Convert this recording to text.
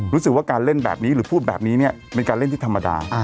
รู้สึกว่าการเล่นแบบนี้หรือพูดแบบนี้เนี่ยเป็นการเล่นที่ธรรมดา